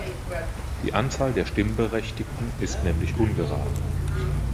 Die Anzahl der Stimmberechtigten ist nämlich ungerade.